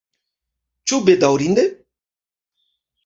Ĉu bedaŭrinde?